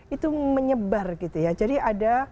itu menyebar gitu ya jadi ada